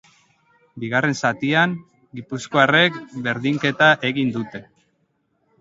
Bigarren zatian, gipuzkoarrek berdinketa egin dute.